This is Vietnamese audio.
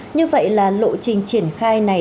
như vậy là lộ trình triển khai này